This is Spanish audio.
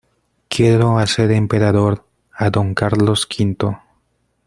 quiero hacer emperador a Don Carlos V.